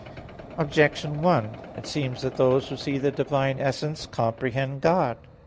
Objection 1: It seems that those who see the divine essence, comprehend God.